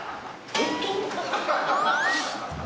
本当？